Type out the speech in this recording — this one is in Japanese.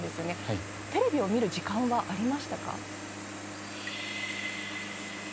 テレビを見る時間はありましたか？